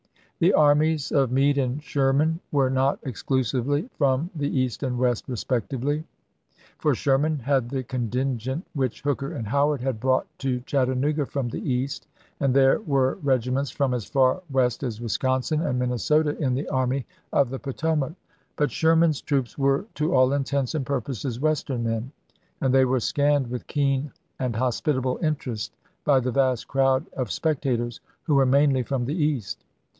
The armies of Meade and Sherman were not exclusively from the East and West respectively ; for Sherman had the contingent which Hooker and Howard had brought to Chattanooga from the East; and there were regiments from as far West as Wisconsin and Minnesota in the Army of the Potomac. But Sherman's troops were to all intents and purposes Western men, and they were scanned with keen and hospitable interest by the vast crowd of spec tators, who were mainly from the East.